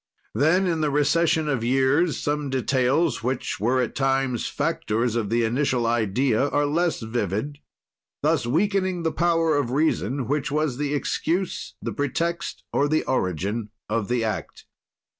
"Then, in the recession of years, some details, which were at times factors of the initial idea, are less vivid, thus weakening the power of reason which was the excuse, the pretext, or the origin of the act.